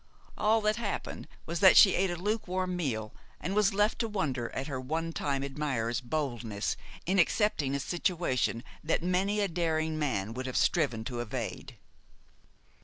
All that happened was that she ate a lukewarm meal, and was left to wonder at her one time admirer's boldness in accepting a situation that many a daring man would have striven to evade.